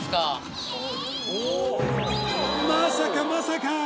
まさかまさか！